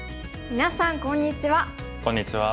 みなさんこんにちは。